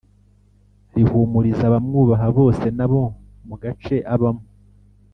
Rihumuriza abamwubaha bose nabo mugace abamo